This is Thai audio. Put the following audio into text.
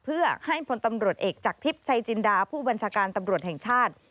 เพื่อให้พลตำรวจเอกจากทิพย์ชัยจินดาผู้บัญชาการตำรวจแห่งชาติ